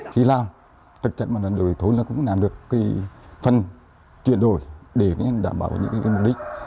thì làm thực chất mà đổi thử là cũng làm được cái phần chuyển đổi để đảm bảo những mục đích